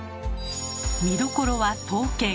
見どころは刀剣。